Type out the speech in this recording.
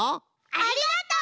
ありがとう！